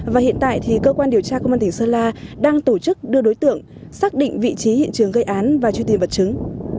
và hiện tại thì cơ quan điều tra công an tỉnh sơn la đang tổ chức đưa đối tượng xác định vị trí hiện trường gây án và truy tìm vật chứng